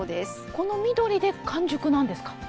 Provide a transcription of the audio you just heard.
この緑で完熟なんですか？